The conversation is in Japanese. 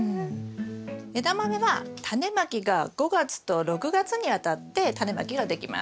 エダマメはタネまきが５月と６月にわたってタネまきができます。